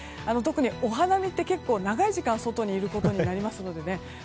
特に、お花見って結構長い時間外にいることになりますのでね。